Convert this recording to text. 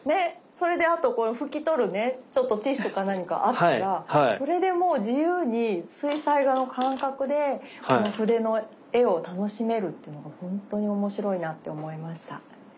それであとこの拭き取るねちょっとティッシュか何かあったらそれでもう自由に水彩画の感覚でこの筆の絵を楽しめるっていうのが本当に面白いなって思いました。